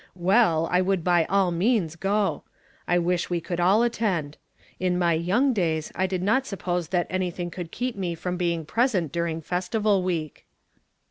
Well, I would by all me is go: I wish we could all attend. In my young days, I did not suppose tliat anything could keep me from being present during Festival Week."